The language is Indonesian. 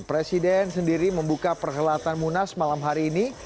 presiden sendiri membuka perhelatan munas malam hari ini